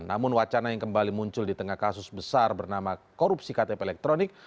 namun wacana yang kembali muncul di tengah kasus besar bernama korupsi ktp elektronik